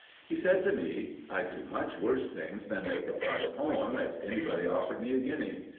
He said to me: "I'd do much worse things than make a prize poem, if anybody offered me a guinea.